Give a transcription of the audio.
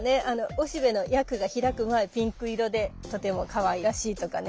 おしべのヤクが開く前ピンク色でとてもかわいらしいとかね。